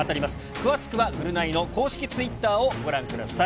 詳しくはぐるナイの公式ツイッターをご覧ください。